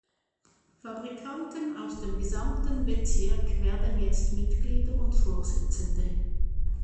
Fabrikanten aus dem gesamten Bezirk werden jetzt Mitglieder und Vorsitzende.